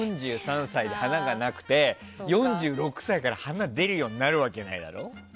４３歳で華がなくて４６歳から華が出るようになるわけないだろ。